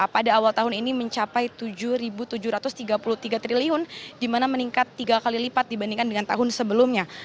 pada awal tahun ini mencapai rp tujuh tujuh ratus tiga puluh tiga triliun di mana meningkat tiga kali lipat dibandingkan dengan tahun sebelumnya